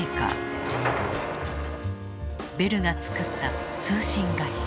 ベルが作った通信会社。